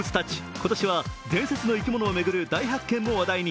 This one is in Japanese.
今年は伝説の生き物を巡る大発見も話題に。